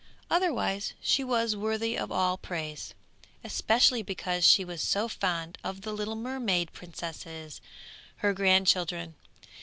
Otherwise she was worthy of all praise, especially because she was so fond of the little mermaid princesses, her grandchildren.